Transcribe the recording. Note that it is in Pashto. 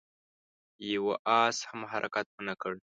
يوه آس هم حرکت ونه کړ.